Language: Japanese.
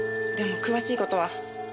でも詳しい事は。